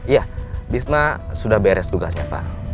iya bisma sudah beres tugasnya pak